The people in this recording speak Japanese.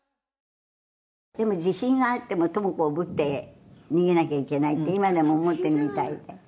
「地震があってもトモ子をおぶって逃げなきゃいけないって今でも思ってるみたいで」